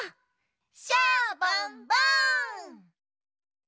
シャボンボン！